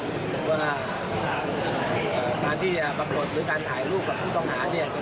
หรือว่าการที่จะปรากฏหรือการถ่ายรูปกับผู้ต้องหาเนี่ย